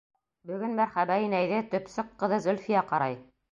Бөгөн Мәрхәбә инәйҙе төпсөк ҡыҙы Зөлфиә ҡарай.